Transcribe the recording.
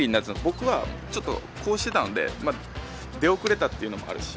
僕はちょっとこうしていたので、出遅れたというのもあるし。